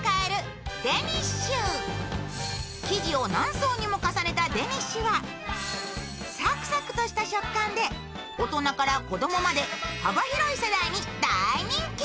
生地を何層にも重ねたデニッシュはサクサクとした食感で大人から子供まで幅広い世代に大人気。